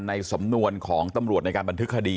ในสำนวนของตำรวจในการบันทึกคดี